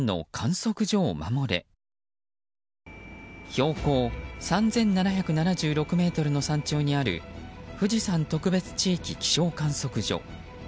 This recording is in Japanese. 標高３７７６ｍの山頂にある富士山特別地域気象観測所。